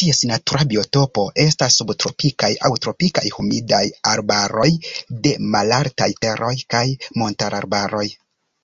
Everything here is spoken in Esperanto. Ties natura biotopo estas subtropikaj aŭ tropikaj humidaj arbaroj de malaltaj teroj kaj montararbaroj.